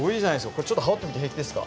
これちょっと羽織ってみて平気ですか？